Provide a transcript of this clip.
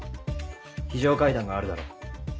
非常階段があるだろう。